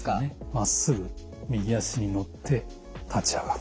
まっすぐ右足に乗って立ち上がる。